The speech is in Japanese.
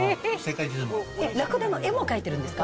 ラクダの絵も描いてるんですか？